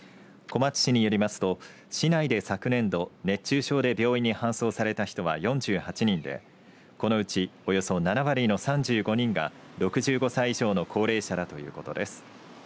小松市によりますと市内で昨年度熱中症で病院に搬送された人は４８人でこのうち、およそ７割の３５人が６５歳以上の高齢者だということです。